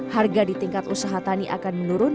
harga di tingkat usaha tani akan menurun